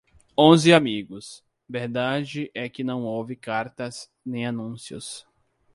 Onze amigos! Verdade é que não houve cartas nem anúncios.